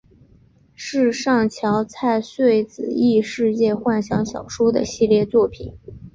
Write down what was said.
是上桥菜穗子异世界幻想小说的系列作品。